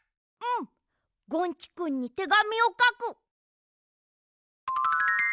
うんゴンチくんにてがみをかく。